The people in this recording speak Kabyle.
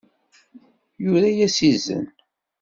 Yura-yas izen.